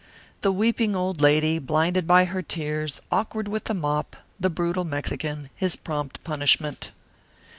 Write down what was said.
The weeping old lady, blinded by her tears, awkward with her mop, the brutal Mexican, his prompt punishment.